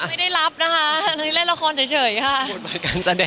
ไม่ได้รับนะคะ